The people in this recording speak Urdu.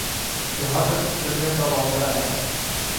جہاں تک اس دنیا کا معاملہ ہے۔